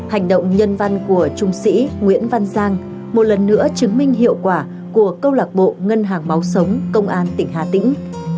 hành động nhân văn của trung sĩ nguyễn văn giang một lần nữa chứng minh hiệu quả của câu lạc bộ ngân hàng máu sống công an tỉnh hà tĩnh